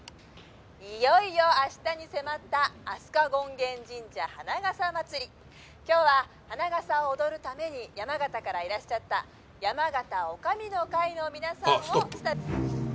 「いよいよ明日に迫った飛鳥権現神社花笠祭り」「今日は花笠を踊るために山形からいらっしゃったやまがた女将の会の皆さんを」あっストップ。